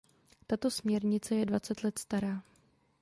Tato směrnice je dvacet let stará.